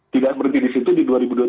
tidak seperti di situ di dua ribu dua puluh